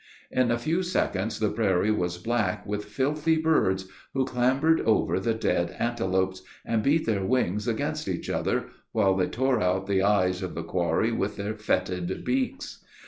In a few seconds, the prairie was black with filthy birds, who clambered over the dead antelopes, and beat their wings against each other, while they tore out the eyes of the quarry with their fetid beaks.